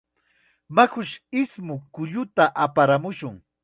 Mayush ismush kulluta aparamun.